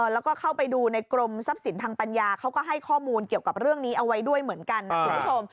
แล้วก็เข้าไปดูในกรมทรัพย์สินทางปัญญาเขาก็ให้ข้อมูลเกี่ยวกับเรื่องนี้เอาไว้ด้วยเหมือนกันนะคุณผู้ชม